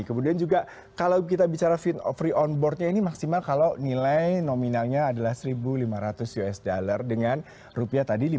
kemudian juga kalau kita bicara free on boardnya ini maksimal kalau nilai nominalnya adalah rp satu lima ratus usd dengan rp lima belas lima ratus